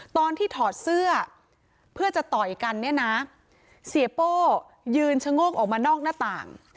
ถอดเสื้อเพื่อจะต่อยกันเนี่ยนะเสียโป้ยืนชะโงกออกมานอกหน้าต่าง